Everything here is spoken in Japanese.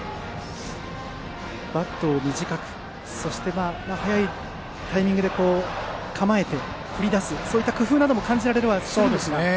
バットを短くそして早いタイミングで構えて振り出すという工夫も感じられたりします。